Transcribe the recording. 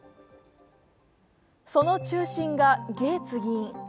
その中心がゲーツ議員。